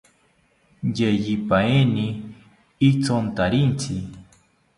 Yeyipaeni ityontaritzi